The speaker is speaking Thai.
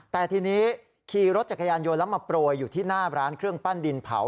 แต่ทีนี้ขี่รถจักรยานยนต์แล้วมาโปรยอยู่ที่หน้าร้านเครื่องปั้นดินเผา